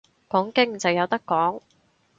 講經就有得講